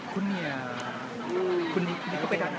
คุณเนี่ยคุณนี่ก็เป็นอันนั้น